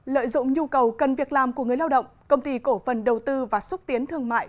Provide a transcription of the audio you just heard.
lợi dụng nhu cầu cần việc làm của người lao động công ty cổ phần đầu tư và xúc tiến thương mại